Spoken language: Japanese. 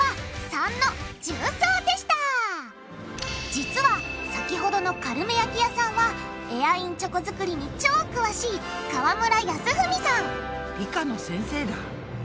実は先ほどのカルメ焼き屋さんはエアインチョコ作りに超詳しい川村康文さん理科の先生だ。